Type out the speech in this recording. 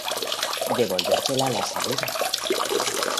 devolvértela a la salida